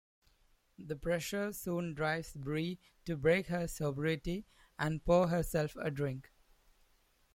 The pressure soon drives Bree to break her sobriety and pour herself a drink.